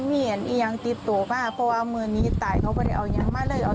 บ่มมียันที่ต่ามีต่อมากกว่ามือนีตาเขาต้องก้าวผ่านมาเร็ว